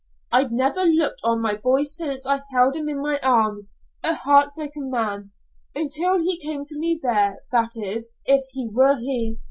I'd never looked on my boy since I held him in my arms a heartbroken man until he came to me there that is, if he were he.